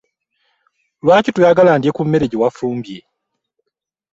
Lwaki toyagala ndye ku mmere gye wafumbye?